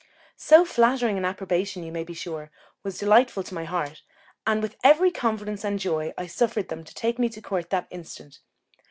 So flattering an approbation, you may be sure, was delightful to my heart, and with every confidence and joy I suffered them to take me to court that instant.